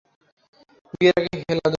বিয়ের আগে হেলাদুলা?